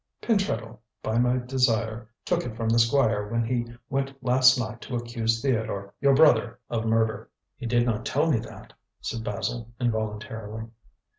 "Pentreddle, by my desire, took it from the Squire when he went last night to accuse Theodore, your brother, of murder." "He did not tell me that," said Basil involuntarily.